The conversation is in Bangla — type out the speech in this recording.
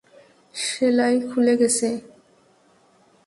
সেলাই খুলে গেছে।